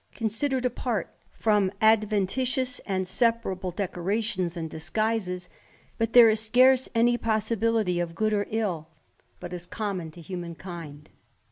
8i considered apart from adventitious and separable decora tions aud disguises, that there is scarce any possibility of good or ill, but is common to Imman kind.